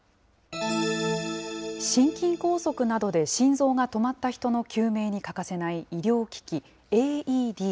心筋梗塞などで心臓が止まった人の救命に欠かせない医療機器、ＡＥＤ。